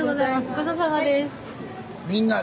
ごちそうさまです。